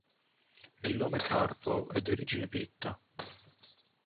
Il nome "Carpow" è di origine pitta.